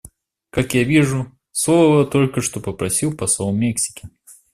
Как я вижу, слова только что попросил посол Мексики.